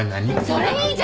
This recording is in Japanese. それいいじゃん！